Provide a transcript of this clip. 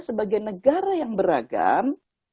sebagai negara yang beragam